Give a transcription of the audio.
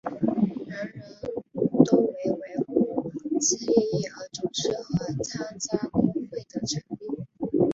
人人有为维护其利益而组织和参加工会的权利。